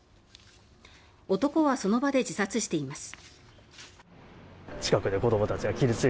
男はその場で自殺しています。